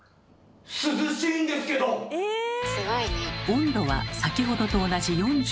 温度は先ほどと同じ４７℃。